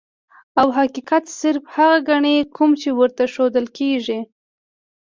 او حقيقت صرف هغه ګڼي کوم چې ورته ښودلے کيږي -